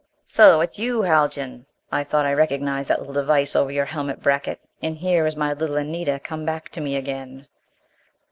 "So it is you, Haljan! I thought I recognized that little device over your helmet bracket. And here is my little Anita, come back to me again!"